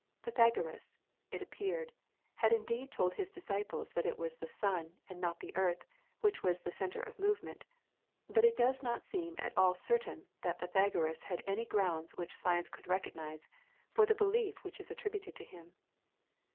Pythagoras, it appears, had indeed told his disciples that it was the sun, and not the earth, which was the centre of movement, but it does not seem at all certain that Pythagoras had any grounds which science could recognise for the belief which is attributed to him.